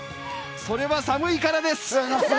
それは寒いからです！